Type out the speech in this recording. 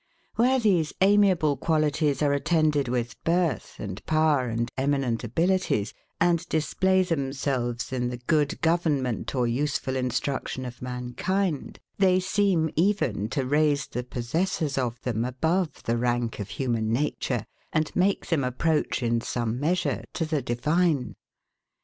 Where these amiable qualities are attended with birth and power and eminent abilities, and display themselves in the good government or useful instruction of mankind, they seem even to raise the possessors of them above the rank of HUMAN NATURE, and make them approach in some measure to the divine.